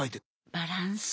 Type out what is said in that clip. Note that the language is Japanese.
バランス。